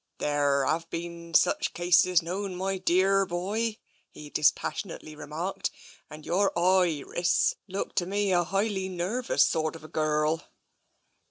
" Therre have been such cases known, my dearr boy/' he dispassionately remarked, " and your I ris looked to me a highly nervous sort of gurrel."